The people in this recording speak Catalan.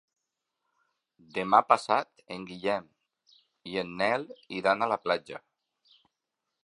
Demà passat en Guillem i en Nel iran a la platja.